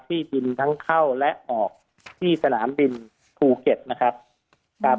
ที่ดินทั้งเข้าและออกที่สนามบินภูเก็ตนะครับครับ